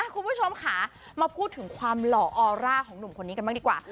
คุณผู้ชมค่ะมาพูดถึงความหล่อออร่าของหนุ่มคนนี้กันบ้างดีกว่า